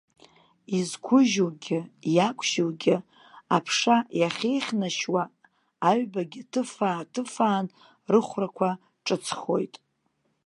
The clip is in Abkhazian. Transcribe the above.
Изқәыжьугьы иақәжьугьы аԥша иахьеихьнашьуа, аҩбагьы ҭыфаа-ҭыфаан, рыхәрақәа ҿыцхоит.